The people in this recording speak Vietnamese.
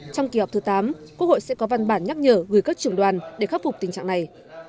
trong kỳ họp thứ tám quốc hội sẽ có văn bản nhắc nhở gửi các trưởng đoàn để khắc phục tình trạng này